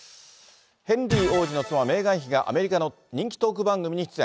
ヘンリー王子の妻、メーガン妃がアメリカの人気トーク番組に出演。